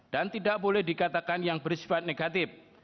dan tidak boleh dikatakan yang bersifat negatif